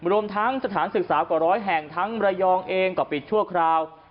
รวมทั้งสถานศึกษากว่าร้อยแห่งทั้งระยองเองก็ปิดชั่วคราว